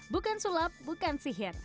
bukan sulap bukan sihir